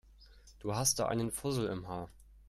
Du hast da einen Fussel im Haar.